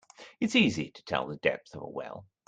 It's easy to tell the depth of a well.